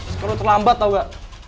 sekarang terlambat tau gak